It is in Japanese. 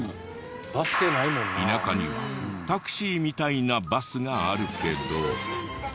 田舎にはタクシーみたいなバスがあるけど。